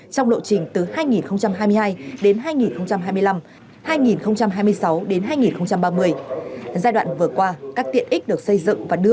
trong lộ trình từ hai nghìn hai mươi hai đến hai nghìn hai mươi năm hai nghìn hai mươi sáu hai nghìn ba mươi giai đoạn vừa qua các tiện ích được xây dựng và đưa